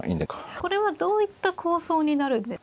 これはどういった構想になるんですか。